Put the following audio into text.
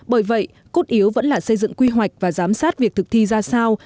bởi vậy cốt yếu vẫn là xây dựng quy hoạch và giám sát việc thực thi ra sao